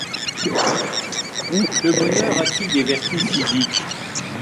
Le bonheur a-t-il des vertus physiques ?